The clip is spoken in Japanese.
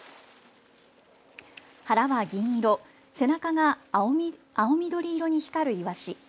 腹は銀色、背中が青緑色に光るいわし。